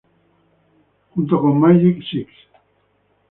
Junto con Magik Six.